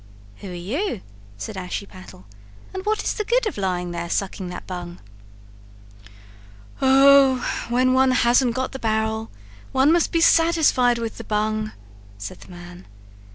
"Who are you," said Ashiepattle, "and what is the good of lying there sucking that bung?" "Oh, when one hasn't got the barrel, one must be satisfied with the bung," said the man.